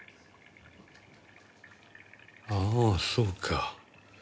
ああそうか。